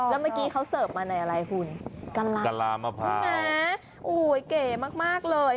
แล้วเมื่อกี้เขาเสิร์ฟมาในอะไรคุณกะลากะลามะพร้าวใช่ไหมโอ้โหเก๋มากเลย